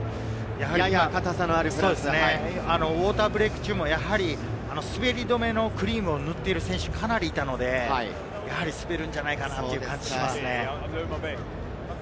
ウォーターブレイク中もやはり滑り止めのクリームを塗っている選手がかなりいたので、やはり滑るんじゃないかなという感じがしますね。